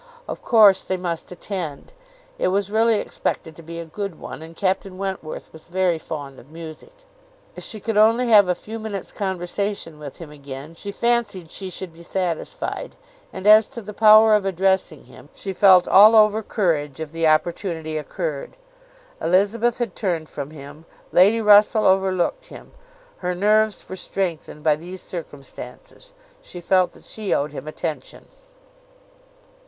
Of course they must attend. It was really expected to be a good one, and Captain Wentworth was very fond of music. If she could only have a few minutes conversation with him again, she fancied she should be satisfied; and as to the power of addressing him, she felt all over courage if the opportunity occurred. Elizabeth had turned from him, Lady Russell overlooked him; her nerves were strengthened by these circumstances; she felt that she owed him attention.